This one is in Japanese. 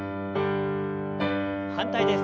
反対です。